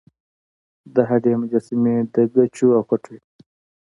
د هډې مجسمې د ګچو او خټو وې